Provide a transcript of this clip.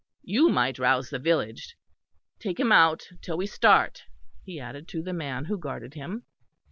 You might rouse the village. Take him out till we start," he added to the man who guarded him.